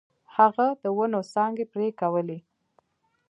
هغه د ونو څانګې پرې کولې.